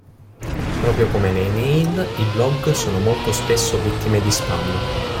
Proprio come le email, i blog sono molto spesso vittime di spam.